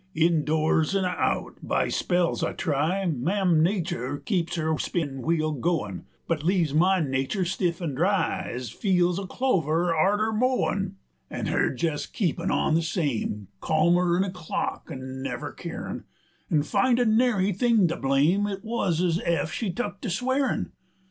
In doors an' out by spells I try; Ma'am Natur' keeps her spin wheel goin', But leaves my natur' stiff and dry 75 Ez fiel's o' clover arter mowin'; An' her jes' keepin' on the same, Calmer 'n a clock, an' never carin', An' findin' nary thing to blame, Is wus than ef she took to swearin'.